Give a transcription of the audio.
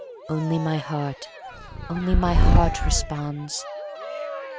Only my heart, only my heart responds.